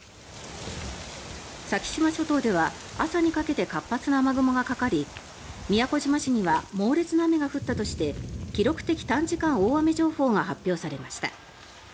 先島諸島では朝にかけて活発な雨雲がかかり宮古島市には猛烈な雨が降ったとして記録的短時間大雨情報が発表されました。